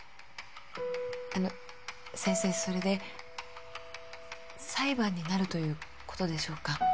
あの先生それで裁判になるということでしょうか？